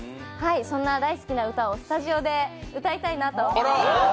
そんな大好きな歌をスタジオで歌いたいなと思います。